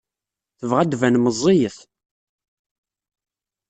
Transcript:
Tebɣa ad d-tban meẓẓiyet.